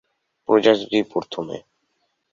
প্রজাতিটি প্রথমে।